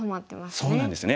そうなんですね。